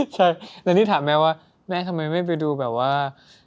ใช่แล้วที่ถามแม่ว่าแม่ทำไมไม่ไปดูแบบว่า